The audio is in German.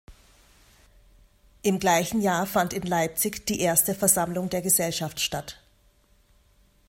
Im gleichen Jahr fand in Leipzig die erste Versammlung der Gesellschaft statt.